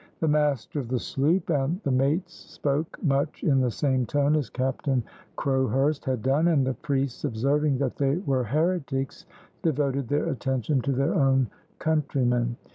The master of the sloop and the mates spoke much in the same tone as Captain Crowhurst had done, and the priests observing that they were heretics devoted their attention to their own countrymen.